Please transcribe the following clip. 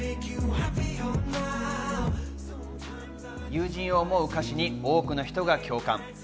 友人を思う歌詞に多くの人が共感。